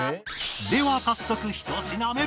では早速１品目